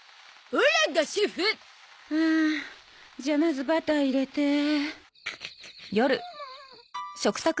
じゃあまずバター入れて。